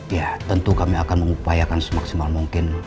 ya tentu kami akan mengupayakan semaksimal mungkin